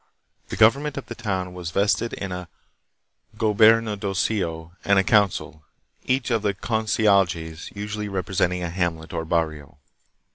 The government of the town was vested in a "goberna dorcillo" and a council, each of the " concejales" usually representing a hamlet or barrio.